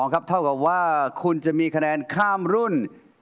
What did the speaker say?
เท่ากับว่าคุณจะมีคะแนนข้ามรุ่น